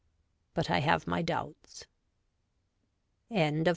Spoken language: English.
But I have my doubts. K VI.